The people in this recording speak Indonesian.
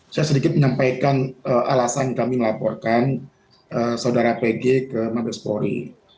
saya sedikit menyampaikan alasan kami melaporkan saudara pg ke mabespori